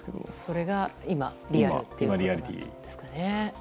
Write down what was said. それがリアリティーですね。